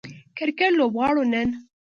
کرکټ لوبغاړو نن